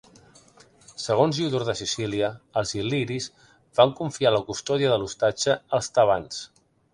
Segons Diodor de Sicília els il·liris van confiar la custòdia de l'ostatge als tebans.